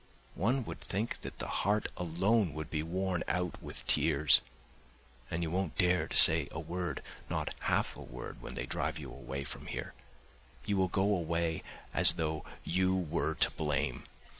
One would think that the heart alone would be worn out with tears. And you won't dare to say a word, not half a word when they drive you away from here; you will go away as though you were to blame.